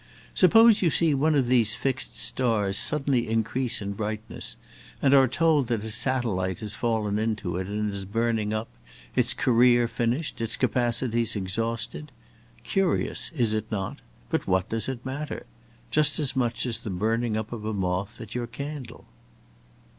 Suppose you see one of these fixed stars suddenly increase in brightness, and are told that a satellite has fallen into it and is burning up, its career finished, its capacities exhausted? Curious, is it not; but what does it matter? Just as much as the burning up of a moth at your candle."